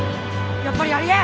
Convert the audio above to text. やっぱりありえん！